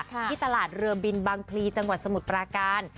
ที่ตลาดเรือบินบางพลีจังหวัดสมุทรปราการ